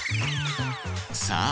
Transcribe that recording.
さあ